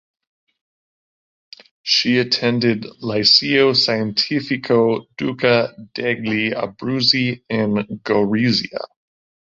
She attended liceo scientifico Duca degli Abruzzi in Gorizia.